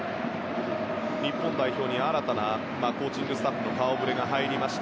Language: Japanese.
日本代表に新たなコーチングスタッフの顔ぶれが入りました。